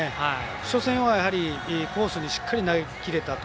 初戦は、いいコースにしっかり投げきれたと。